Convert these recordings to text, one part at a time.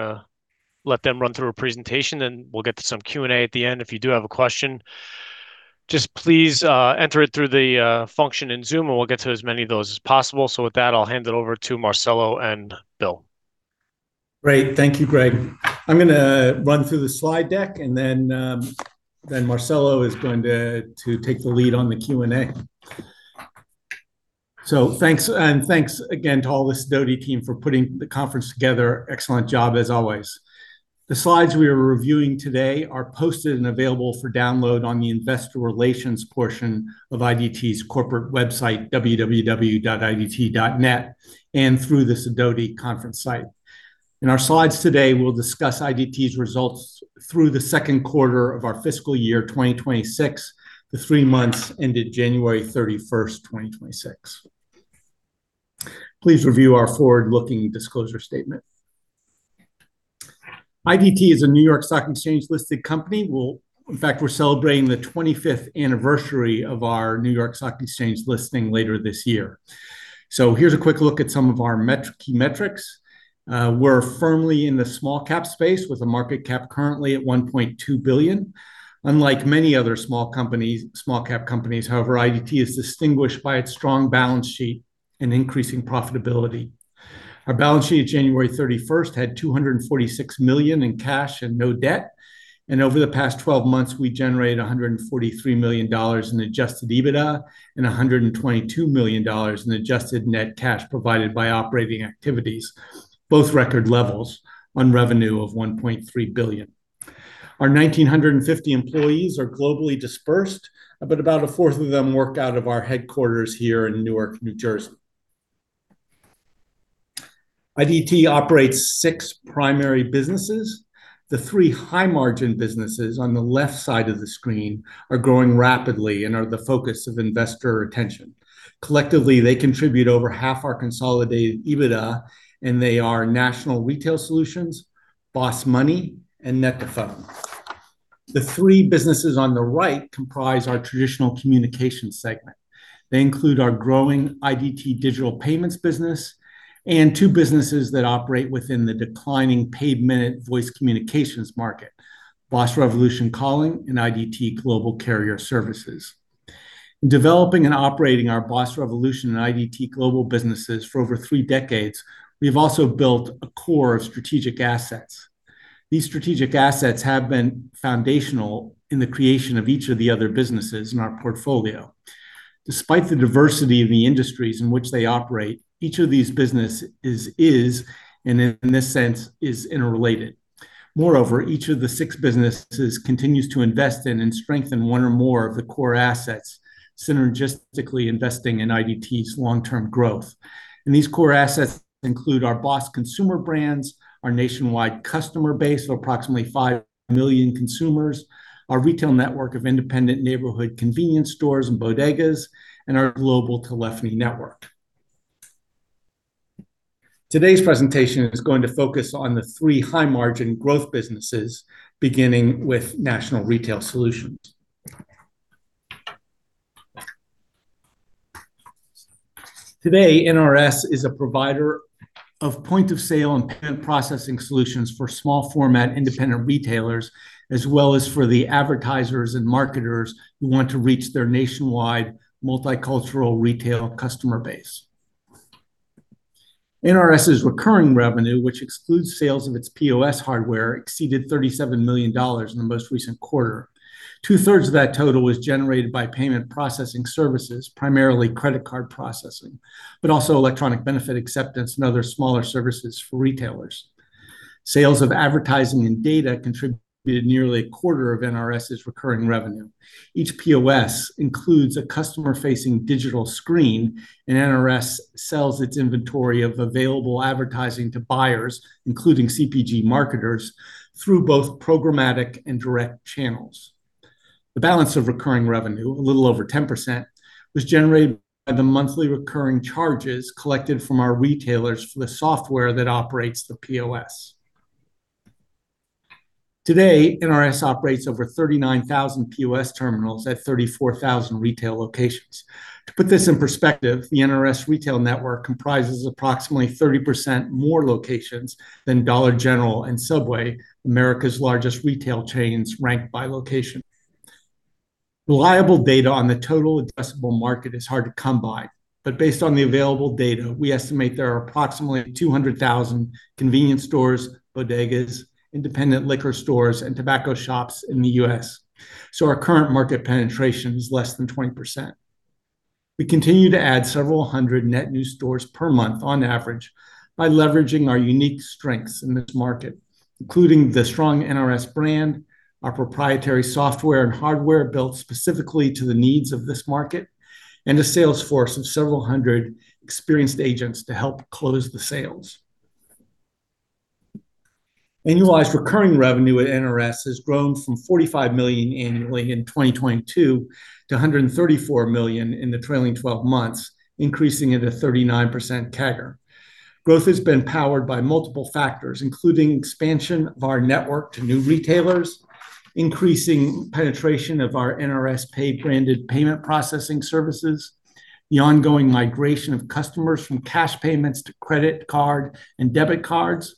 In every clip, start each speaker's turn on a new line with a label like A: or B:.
A: We're gonna let them run through a presentation, and we'll get to some Q&A at the end. If you do have a question, just please, enter it through the function in Zoom, and we'll get to as many of those as possible. With that, I'll hand it over to Marcelo and Bill.
B: Great. Thank you, Greg. I'm gonna run through the slide deck, and then Marcelo is going to take the lead on the Q&A. Thanks, and thanks again to all the Sidoti team for putting the conference together. Excellent job as always. The slides we are reviewing today are posted and available for download on the investor relations portion of IDT's corporate website, www.idt.net, and through the Sidoti conference site. In our slides today, we'll discuss IDT's results through the second quarter of our fiscal year, 2026, the three months ended January 31st, 2026. Please review our forward-looking disclosure statement. IDT is a New York Stock Exchange-listed company. Well, in fact, we're celebrating the 25th anniversary of our New York Stock Exchange listing later this year. Here's a quick look at some of our key metrics. We're firmly in the small cap space with a market cap currently at $1.2 billion. Unlike many other small cap companies, however, IDT is distinguished by its strong balance sheet and increasing profitability. Our balance sheet at January 31st had $246 million in cash and no debt, and over the past twelve months, we generated $143 million in adjusted EBITDA and $122 million in adjusted net cash provided by operating activities, both record levels on revenue of $1.3 billion. Our 1,950 employees are globally dispersed, but about a fourth of them work out of our headquarters here in Newark, New Jersey. IDT operates six primary businesses. The three high-margin businesses on the left side of the screen are growing rapidly and are the focus of investor attention. Collectively, they contribute over half our consolidated EBITDA, and they are National Retail Solutions, BOSS Money, and net2phone. The three businesses on the right comprise our traditional communications segment. They include our growing IDT Digital Payments business and two businesses that operate within the declining paid minute voice communications market, BOSS Revolution Calling and IDT Global Carrier Services. In developing and operating our BOSS Revolution and IDT Global businesses for over three decades, we've also built a core of strategic assets. These strategic assets have been foundational in the creation of each of the other businesses in our portfolio. Despite the diversity of the industries in which they operate, each of these businesses is, and in this sense, is interrelated. Moreover, each of the six businesses continues to invest in and strengthen one or more of the core assets, synergistically investing in IDT's long-term growth. These core assets include our BOSS consumer brands, our nationwide customer base of approximately 5 million consumers, our retail network of independent neighborhood convenience stores and bodegas, and our global telephony network. Today's presentation is going to focus on the three high-margin growth businesses, beginning with National Retail Solutions. Today, NRS is a provider of point-of-sale and payment processing solutions for small format independent retailers, as well as for the advertisers and marketers who want to reach their nationwide multicultural retail customer base. NRS's recurring revenue, which excludes sales of its POS hardware, exceeded $37 million in the most recent quarter. Two-thirds of that total was generated by payment processing services, primarily credit card processing, but also electronic benefit acceptance and other smaller services for retailers. Sales of advertising and data contributed nearly a quarter of NRS's recurring revenue. Each POS includes a customer-facing digital screen, and NRS sells its inventory of available advertising to buyers, including CPG marketers, through both programmatic and direct channels. The balance of recurring revenue, a little over 10%, was generated by the monthly recurring charges collected from our retailers for the software that operates the POS. Today, NRS operates over 39,000 POS terminals at 34,000 retail locations. To put this in perspective, the NRS retail network comprises approximately 30% more locations than Dollar General and Subway, America's largest retail chains ranked by location. Reliable data on the total addressable market is hard to come by. Based on the available data, we estimate there are approximately 200,000 convenience stores, bodegas, independent liquor stores, and tobacco shops in the U.S. Our current market penetration is less than 20%. We continue to add several hundred net new stores per month on average by leveraging our unique strengths in this market, including the strong NRS brand, our proprietary software and hardware built specifically to the needs of this market, and a sales force of several hundred experienced agents to help close the sales. Annualized recurring revenue at NRS has grown from $45 million annually in 2022 to $134 million in the trailing twelve months, increasing at a 39% CAGR. Growth has been powered by multiple factors, including expansion of our network to new retailers. Increasing penetration of our NRS Pay-branded payment processing services, the ongoing migration of customers from cash payments to credit card and debit cards,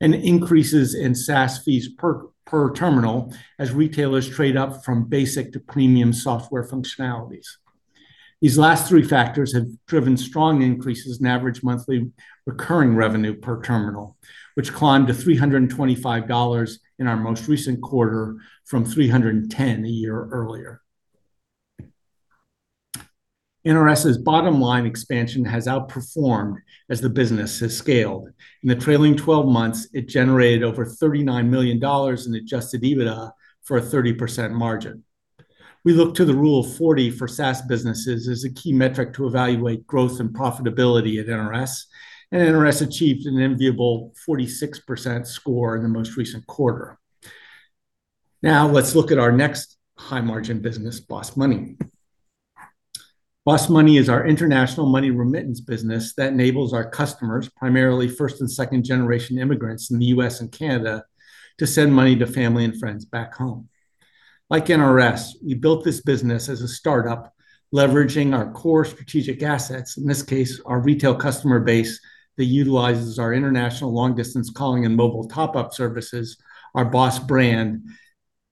B: and increases in SaaS fees per terminal as retailers trade up from basic to premium software functionalities. These last three factors have driven strong increases in average monthly recurring revenue per terminal, which climbed to $325 in our most recent quarter from $310 a year earlier. NRS's bottom-line expansion has outperformed as the business has scaled. In the trailing twelve months, it generated over $39 million in adjusted EBITDA for a 30% margin. We look to the Rule of 40 for SaaS businesses as a key metric to evaluate growth and profitability at NRS, and NRS achieved an enviable 46% score in the most recent quarter. Now let's look at our next high-margin business, BOSS Money. BOSS Money is our international money remittance business that enables our customers, primarily first- and second-generation immigrants in the U.S. and Canada, to send money to family and friends back home. Like NRS, we built this business as a startup, leveraging our core strategic assets, in this case, our retail customer base that utilizes our international long-distance calling and mobile top-up services. Our BOSS brand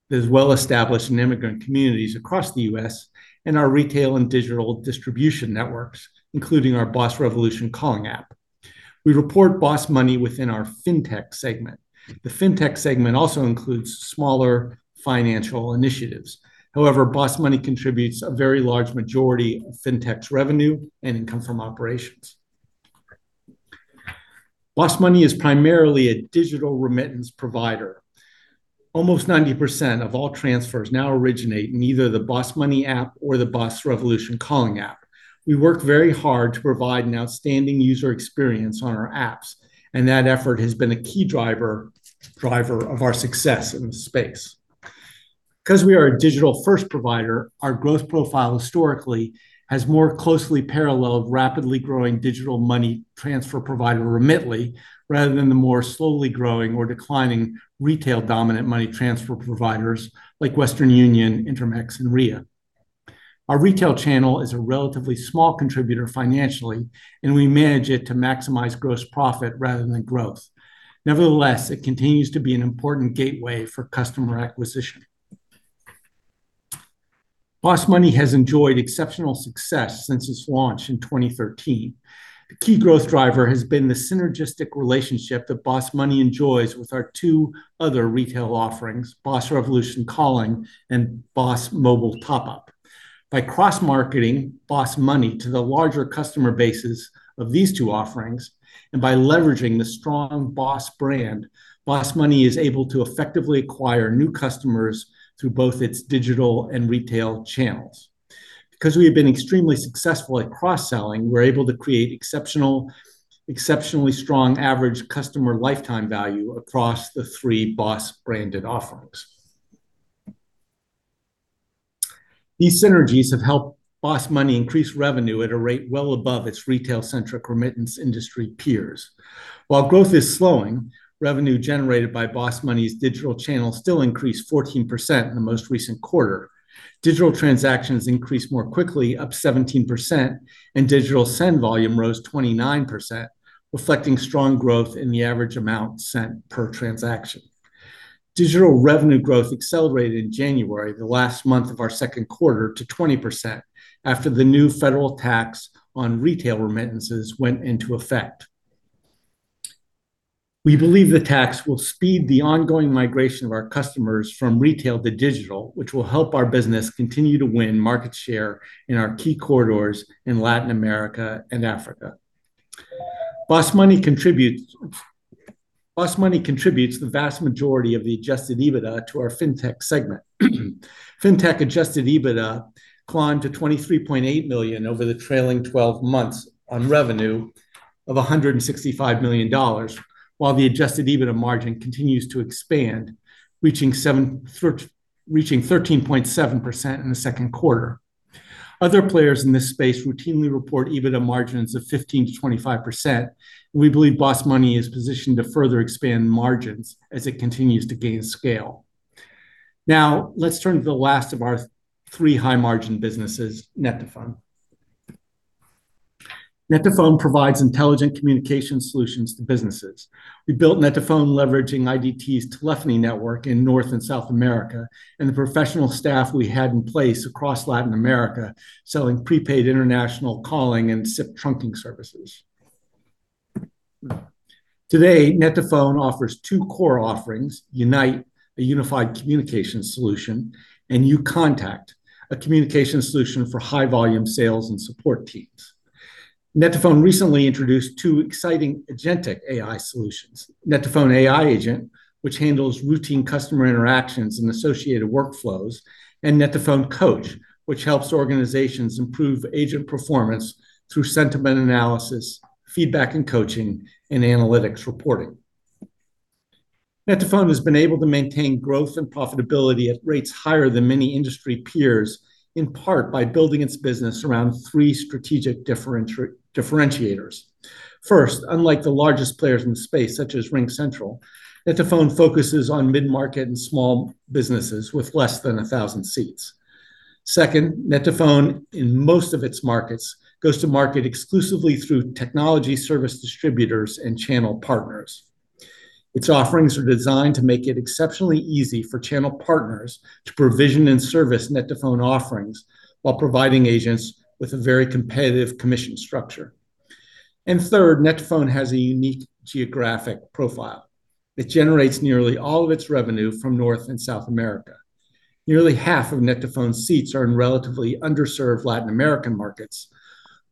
B: is well-established in immigrant communities across the U.S. and our retail and digital distribution networks, including our BOSS Revolution Calling app. We report BOSS Money within our Fintech segment. The Fintech segment also includes smaller financial initiatives. However, BOSS Money contributes a very large majority of Fintech's revenue and income from operations. BOSS Money is primarily a digital remittance provider. Almost 90% of all transfers now originate in either the BOSS Money app or the BOSS Revolution Calling app. We work very hard to provide an outstanding user experience on our apps, and that effort has been a key driver of our success in the space. Because we are a digital-first provider, our growth profile historically has more closely paralleled rapidly growing digital money transfer provider Remitly rather than the more slowly growing or declining retail-dominant money transfer providers like Western Union, Intermex, and Ria. Our retail channel is a relatively small contributor financially, and we manage it to maximize gross profit rather than growth. Nevertheless, it continues to be an important gateway for customer acquisition. BOSS Money has enjoyed exceptional success since its launch in 2013. A key growth driver has been the synergistic relationship that BOSS Money enjoys with our two other retail offerings, BOSS Revolution Calling and BOSS Revolution Mobile Top Up. By cross-marketing BOSS Money to the larger customer bases of these two offerings, and by leveraging the strong BOSS brand, BOSS Money is able to effectively acquire new customers through both its digital and retail channels. Because we have been extremely successful at cross-selling, we're able to create exceptional, exceptionally strong average customer lifetime value across the three BOSS-branded offerings. These synergies have helped BOSS Money increase revenue at a rate well above its retail-centric remittance industry peers. While growth is slowing, revenue generated by BOSS Money's digital channel still increased 14% in the most recent quarter. Digital transactions increased more quickly, up 17%, and digital send volume rose 29%, reflecting strong growth in the average amount sent per transaction. Digital revenue growth accelerated in January, the last month of our second quarter, to 20% after the new federal tax on retail remittances went into effect. We believe the tax will speed the ongoing migration of our customers from retail to digital, which will help our business continue to win market share in our key corridors in Latin America and Africa. BOSS Money contributes the vast majority of the adjusted EBITDA to our Fintech segment. Fintech adjusted EBITDA climbed to $23.8 million over the trailing twelve months on revenue of $165 million, while the adjusted EBITDA margin continues to expand, reaching 13.7% in the second quarter. Other players in this space routinely report EBITDA margins of 15%-25%, and we believe BOSS Money is positioned to further expand margins as it continues to gain scale. Now, let's turn to the last of our three high-margin businesses, net2phone. Net2phone provides intelligent communication solutions to businesses. We built net2phone leveraging IDT's telephony network in North and South America and the professional staff we had in place across Latin America selling prepaid international calling and SIP trunking services. Today, net2phone offers two core offerings, UNITE, a unified communication solution, and uContact, a communication solution for high-volume sales and support teams. Net2phone recently introduced two exciting agentic AI solutions, net2phone AI Agent, which handles routine customer interactions and associated workflows, and net2phone Coach, which helps organizations improve agent performance through sentiment analysis, feedback and coaching, and analytics reporting. net2phone has been able to maintain growth and profitability at rates higher than many industry peers, in part by building its business around three strategic differentiators. First, unlike the largest players in the space, such as RingCentral, net2phone focuses on mid-market and small businesses with less than 1,000 seats. Second, net2phone, in most of its markets, goes to market exclusively through technology service distributors and channel partners. Its offerings are designed to make it exceptionally easy for channel partners to provision and service net2phone offerings while providing agents with a very competitive commission structure. Third, net2phone has a unique geographic profile. It generates nearly all of its revenue from North and South America. Nearly half of net2phone seats are in relatively underserved Latin American markets,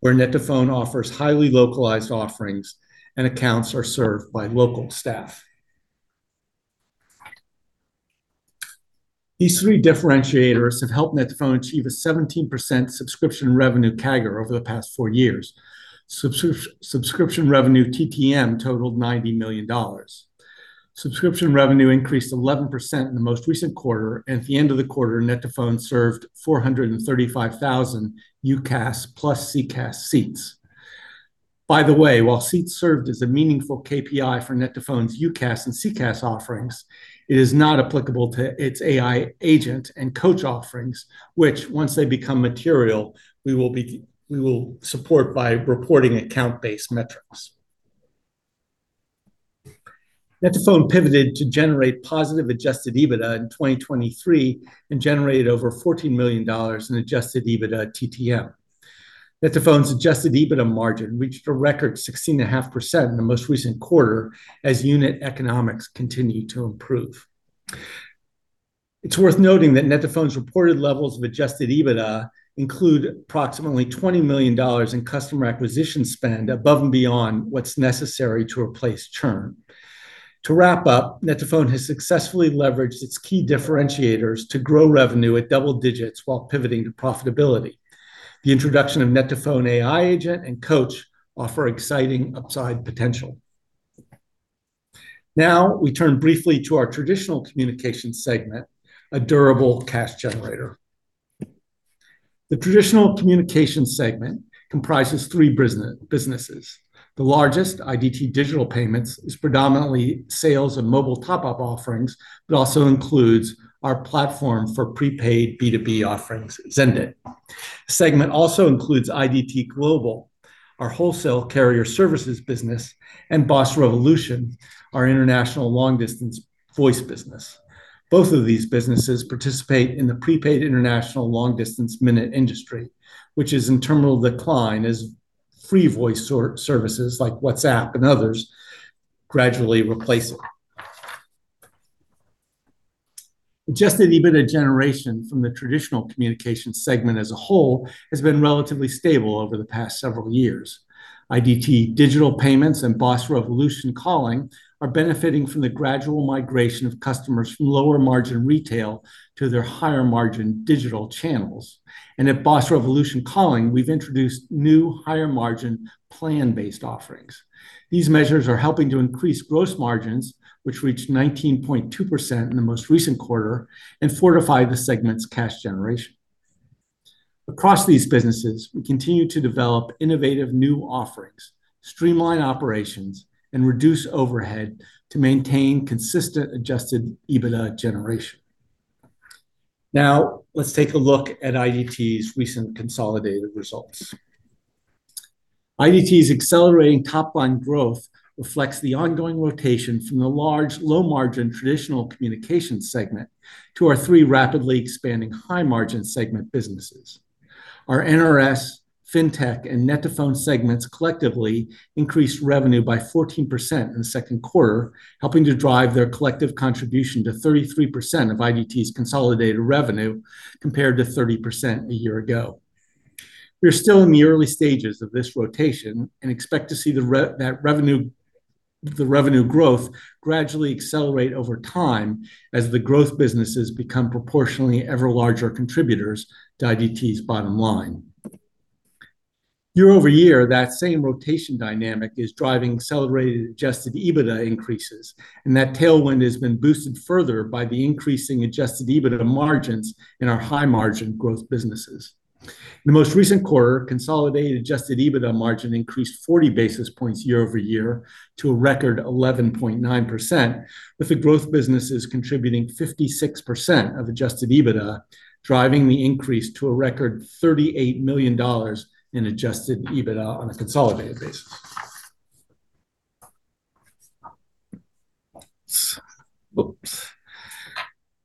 B: where net2phone offers highly localized offerings, and accounts are served by local staff. These three differentiators have helped net2phone achieve a 17% subscription revenue CAGR over the past four years. Subscription revenue TTM totaled $90 million. Subscription revenue increased 11% in the most recent quarter, and at the end of the quarter, net2phone served 435,000 UCaaS plus CCaaS seats. By the way, while seats served as a meaningful KPI for Net2Phone's UCaaS and CCaaS offerings, it is not applicable to its AI agent and coach offerings, which, once they become material, we will support by reporting account-based metrics. Net2Phone pivoted to generate positive adjusted EBITDA in 2023 and generated over $14 million in adjusted EBITDA TTM. Net2Phone's adjusted EBITDA margin reached a record 16.5% in the most recent quarter as unit economics continued to improve. It's worth noting that Net2Phone's reported levels of adjusted EBITDA include approximately $20 million in customer acquisition spend above and beyond what's necessary to replace churn. To wrap up, Net2Phone has successfully leveraged its key differentiators to grow revenue at double digits while pivoting to profitability. The introduction of Net2Phone AI agent and coach offer exciting upside potential. Now we turn briefly to our traditional communication segment, a durable cash generator. The traditional communication segment comprises three businesses. The largest, IDT Digital Payments, is predominantly sales and mobile top-up offerings, but also includes our platform for prepaid B2B offerings, IDT Express. The segment also includes IDT Global, our wholesale carrier services business, and BOSS Revolution, our international long-distance voice business. Both of these businesses participate in the prepaid international long-distance minute industry, which is in terminal decline as free voice services like WhatsApp and others gradually replace it. Adjusted EBITDA generation from the traditional communication segment as a whole has been relatively stable over the past several years. IDT Digital Payments and BOSS Revolution Calling are benefiting from the gradual migration of customers from lower margin retail to their higher margin digital channels. At BOSS Revolution Calling, we've introduced new higher margin plan-based offerings. These measures are helping to increase gross margins, which reached 19.2% in the most recent quarter and fortified the segment's cash generation. Across these businesses, we continue to develop innovative new offerings, streamline operations, and reduce overhead to maintain consistent adjusted EBITDA generation. Now let's take a look at IDT's recent consolidated results. IDT's accelerating top-line growth reflects the ongoing rotation from the large low-margin traditional communications segment to our three rapidly expanding high-margin segment businesses. Our NRS, Fintech, and Net2Phone segments collectively increased revenue by 14% in the second quarter, helping to drive their collective contribution to 33% of IDT's consolidated revenue compared to 30% a year ago. We're still in the early stages of this rotation and expect to see the revenue growth gradually accelerate over time as the growth businesses become proportionally ever larger contributors to IDT's bottom line. Year-over-year, that same rotation dynamic is driving accelerated adjusted EBITDA increases, and that tailwind has been boosted further by the increasing adjusted EBITDA margins in our high-margin growth businesses. In the most recent quarter, consolidated adjusted EBITDA margin increased 40 basis points year-over-year to a record 11.9%, with the growth businesses contributing 56% of adjusted EBITDA, driving the increase to a record $38 million in adjusted EBITDA on a consolidated basis. Whoops.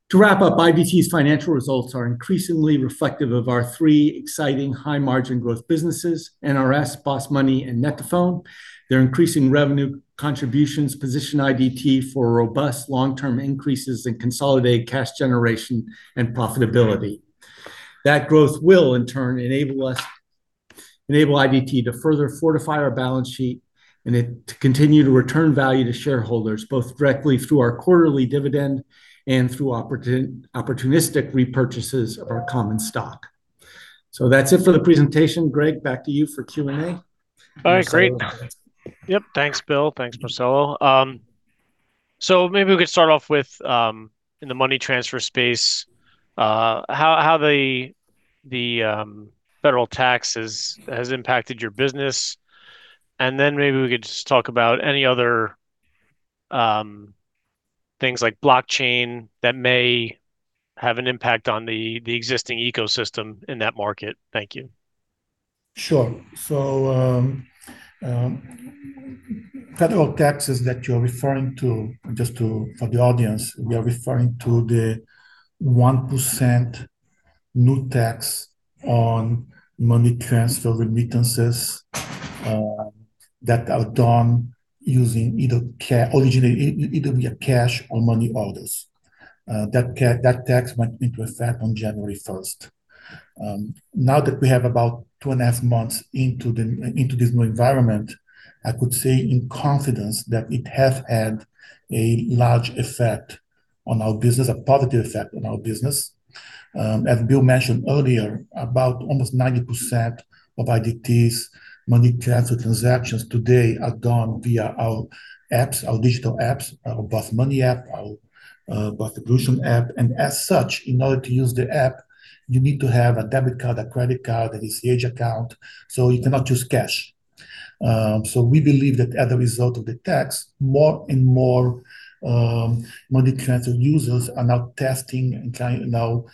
B: To wrap up, IDT's financial results are increasingly reflective of our three exciting high-margin growth businesses, NRS, BOSS Money, and net2phone. Their increasing revenue contributions position IDT for robust long-term increases in consolidated cash generation and profitability. That growth will in turn enable IDT to further fortify our balance sheet and to continue to return value to shareholders, both directly through our quarterly dividend and through opportunistic repurchases of our common stock. That's it for the presentation. Greg, back to you for Q&A.
A: All right. Great. Yep. Thanks, Bill. Thanks, Marcelo. Maybe we could start off with, in the money transfer space, how the federal tax has impacted your business. Maybe we could just talk about any other things like blockchain that may have an impact on the existing ecosystem in that market? Thank you.
C: Sure. Federal taxes that you're referring to, just to, for the audience, we are referring to the 1% new tax on money transfer remittances, that are done using either via cash or money orders. That tax went into effect on January 1st. Now that we have about 2.5 months into this new environment, I could say in confidence that it has had a large effect on our business, a positive effect on our business. As Bill mentioned earlier, about almost 90% of IDT's money transfer transactions today are done via our apps, our digital apps, our BOSS Money app, our BOSS Revolution app. As such, in order to use the app, you need to have a debit card, a credit card, that is the agent account, so you cannot use cash. We believe that as a result of the tax, more and more money transfer users are now testing and trying now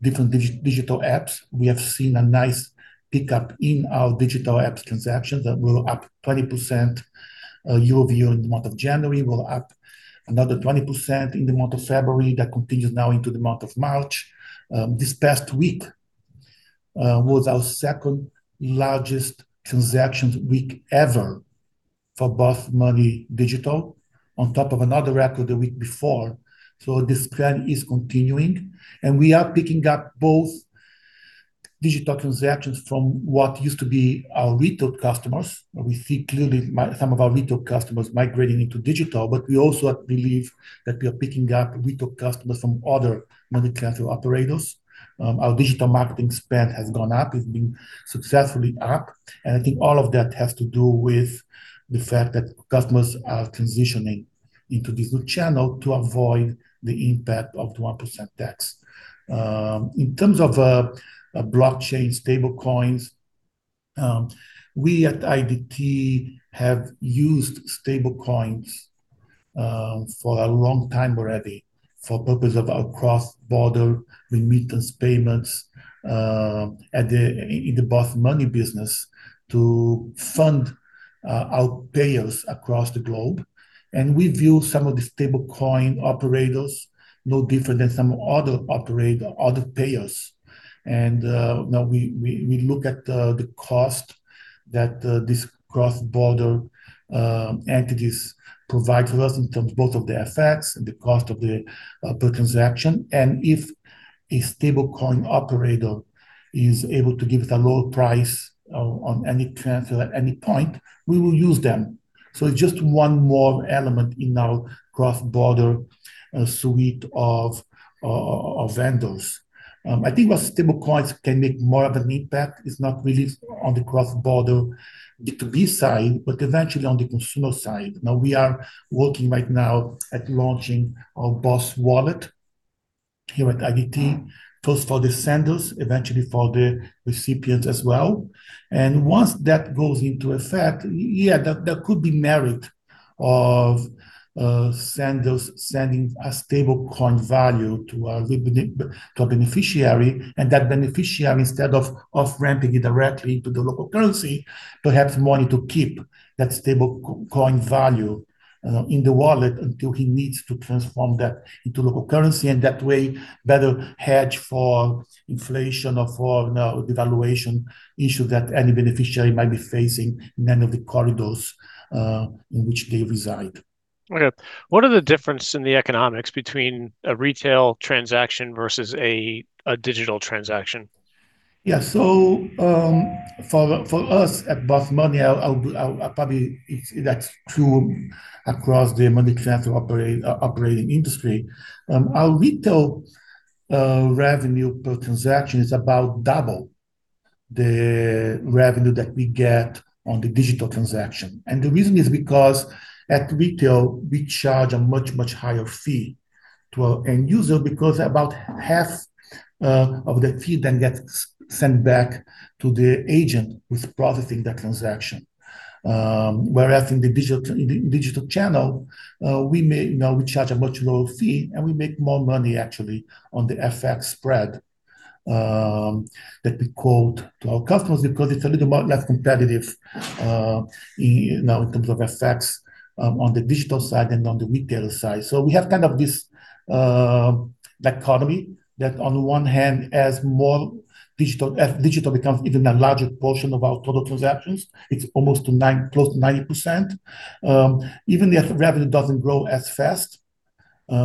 C: different digital apps. We have seen a nice pickup in our digital apps transactions that were up 20% year-over-year in the month of January, were up another 20% in the month of February. That continues now into the month of March. This past week was our second largest transactions week ever for BOSS Money Digital on top of another record the week before. This trend is continuing, and we are picking up both digital transactions from what used to be our retail customers. We see clearly some of our retail customers migrating into digital, but we also believe that we are picking up retail customers from other money transfer operators. Our digital marketing spend has gone up. It's been successfully up. I think all of that has to do with the fact that customers are transitioning into this new channel to avoid the impact of the 1% tax. In terms of blockchain stablecoins, we at IDT have used stablecoins for a long time already for purpose of our cross-border remittance payments, in the BOSS Money business to fund our payees across the globe. We view some of the stablecoin operators no different than some other operators, other payees. Now we look at the cost that these cross-border entities provide to us in terms of both the effects and the cost per transaction. If a stablecoin operator is able to give us a lower price on any transfer at any point, we will use them. It's just one more element in our cross-border suite of vendors. I think where stablecoins can make more of an impact is not really on the cross-border B2B side, but eventually on the consumer side. Now, we are working right now at launching our BOSS Money here at IDT, first for the senders, eventually for the recipients as well. Once that goes into effect, yeah, that there could be merit to senders sending a stablecoin value to a beneficiary, and that beneficiary, instead of off-ramping it directly to the local currency, perhaps wanting to keep that stablecoin value in the wallet until he needs to transform that into local currency, and that way better hedge for inflation or for, you know, devaluation issue that any beneficiary might be facing in any of the corridors in which they reside.
A: Okay. What are the difference in the economics between a retail transaction versus a digital transaction?
C: For us at BOSS Money, that's true across the money transfer operating industry. Our retail revenue per transaction is about double the revenue that we get on the digital transaction. The reason is because at retail, we charge a much higher fee to our end user because about half of the fee then gets sent back to the agent who's processing that transaction. Whereas in the digital channel, you know, we charge a much lower fee, and we make more money actually on the FX spread that we quote to our customers because it's a little less competitive, you know, in terms of FX on the digital side than on the retail side. We have kind of this dichotomy that on one hand has more digital. As digital becomes even a larger portion of our total transactions, it's almost 90%, close to 90%, even the FX revenue doesn't grow as fast,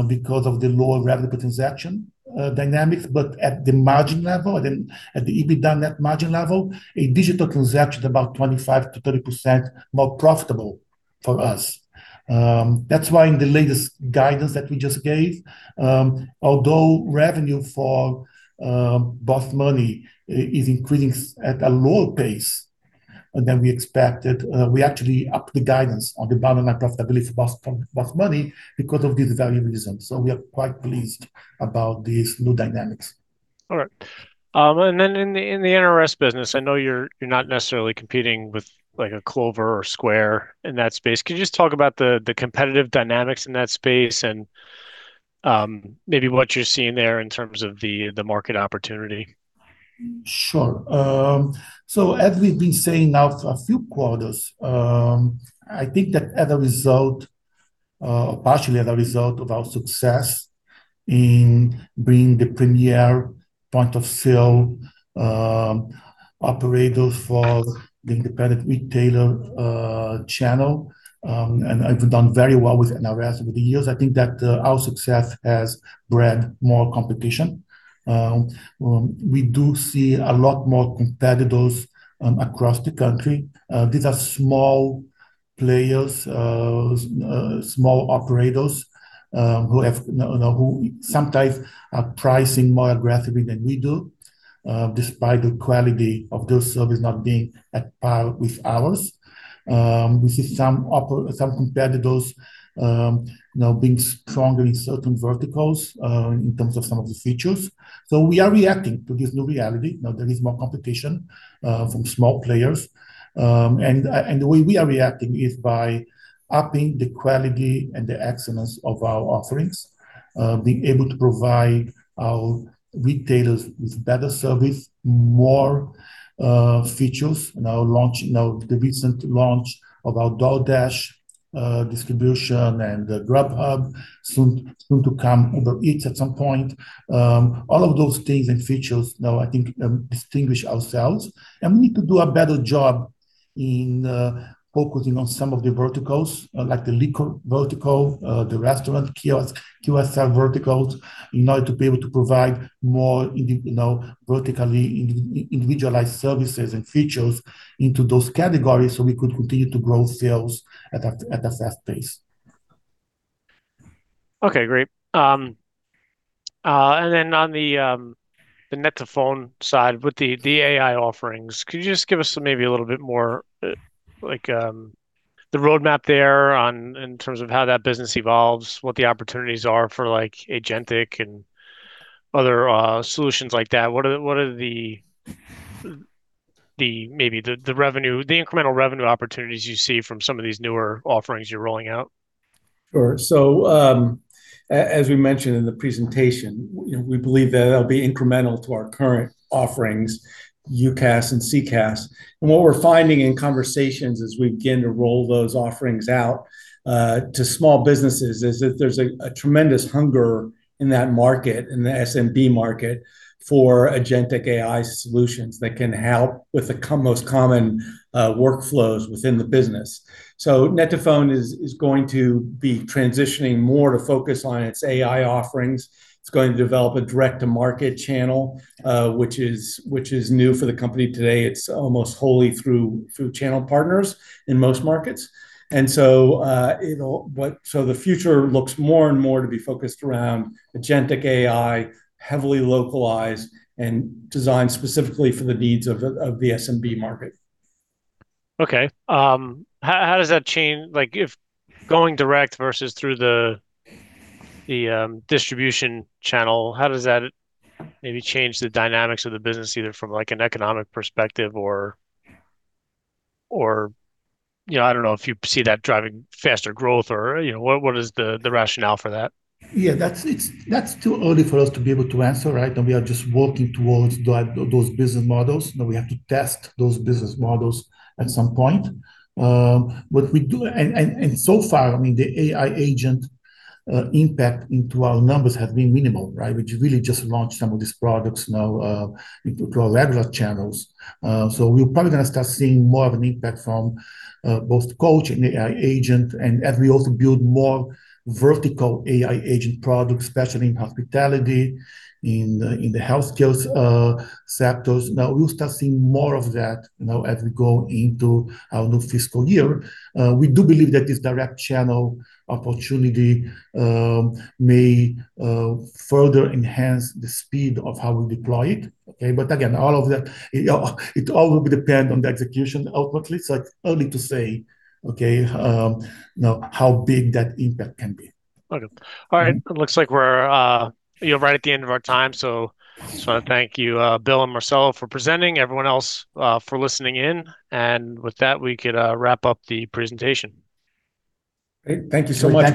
C: because of the lower revenue per transaction dynamics. At the margin level and at the EBITDA net margin level, a digital transaction is about 25%-30% more profitable for us. That's why in the latest guidance that we just gave, although revenue for BOSS Money is increasing at a lower pace than we expected, we actually upped the guidance on the bottom-line profitability for BOSS Money because of these value reasons. We are quite pleased about these new dynamics.
A: All right. And then in the NRS business, I know you're not necessarily competing with, like, a Clover or Square in that space. Can you just talk about the competitive dynamics in that space and maybe what you're seeing there in terms of the market opportunity?
C: Sure. As we've been saying now for a few quarters, I think that as a result, partially as a result of our success in bringing the premier point of sale operator for the independent retailer channel, and we've done very well with NRS over the years. I think that our success has bred more competition. We do see a lot more competitors across the country. These are small players, small operators, who have, you know, who sometimes are pricing more aggressively than we do, despite the quality of those service not being at par with ours. We see some competitors, you know, being stronger in certain verticals, in terms of some of the features. We are reacting to this new reality. Now there is more competition from small players. The way we are reacting is by upping the quality and the excellence of our offerings, being able to provide our retailers with better service, more features. With the recent launch of our DoorDash distribution and the Grubhub soon to come, Uber Eats at some point. All of those things and features now I think distinguish ourselves, and we need to do a better job in focusing on some of the verticals, like the liquor vertical, the restaurant kiosk verticals in order to be able to provide more individualized services and features into those categories so we could continue to grow sales at a fast pace.
A: Okay, great. On the net2phone side with the AI offerings, could you just give us maybe a little bit more like the roadmap there in terms of how that business evolves, what the opportunities are for like agentic and other solutions like that? What are the incremental revenue opportunities you see from some of these newer offerings you're rolling out?
B: Sure. As we mentioned in the presentation, you know, we believe that it'll be incremental to our current offerings, UCaaS and CCaaS. What we're finding in conversations as we begin to roll those offerings out to small businesses is that there's a tremendous hunger in that market, in the SMB market for agentic AI solutions that can help with the most common workflows within the business. Net2Phone is going to be transitioning more to focus on its AI offerings. It's going to develop a direct-to-market channel, which is new for the company today. It's almost wholly through channel partners in most markets. The future looks more and more to be focused around agentic AI, heavily localized and designed specifically for the needs of the SMB market.
A: Okay. How does that change, like if going direct versus through the distribution channel, how does that maybe change the dynamics of the business, either from like an economic perspective or you know, I don't know if you see that driving faster growth or you know? What is the rationale for that?
C: Yeah, that's too early for us to be able to answer, right? We are just working towards those business models. We have to test those business models at some point. So far, I mean, the AI Agent impact into our numbers has been minimal, right? We've really just launched some of these products now through our regular channels. We're probably gonna start seeing more of an impact from both Coach and AI Agent. As we also build more vertical AI Agent products, especially in hospitality, in the healthcare sectors. We'll start seeing more of that, you know, as we go into our new fiscal year. We do believe that this direct channel opportunity may further enhance the speed of how we deploy it. Okay. Again, all of that, it all will depend on the execution ultimately. It's early to say, okay, you know, how big that impact can be.
A: Okay. All right. It looks like we're, you know, right at the end of our time. Just wanna thank you, Bill and Marcelo for presenting, everyone else, for listening in. With that, we could wrap up the presentation.
B: Great. Thank you so much.